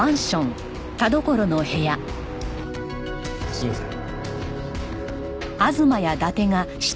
すいません。